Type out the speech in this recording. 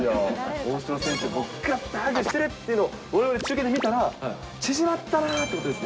大城選手にハグしてるっていうのを、中継で見たら、縮まったなってことですね。